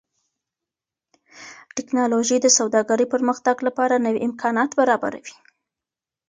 ټکنالوژي د سوداګرۍ پرمختګ لپاره نوي امکانات برابروي.